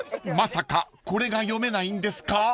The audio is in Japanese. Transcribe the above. ［まさかこれが読めないんですか？］